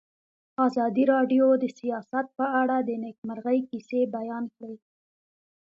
ازادي راډیو د سیاست په اړه د نېکمرغۍ کیسې بیان کړې.